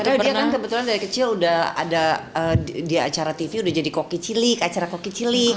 karena dia kan kebetulan dari kecil udah ada di acara tv udah jadi koki cilik acara koki cilik